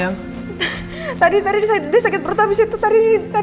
gak tahu kamu kuat gak ya